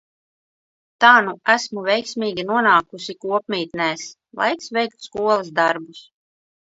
Tā nu esmu veiksmīgi nonākusi kopmītnēs. Laiks veikt skolas darbus!